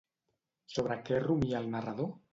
Sobre què rumia el narrador?